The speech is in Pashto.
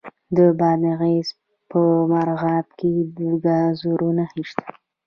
د بادغیس په مرغاب کې د ګازو نښې شته.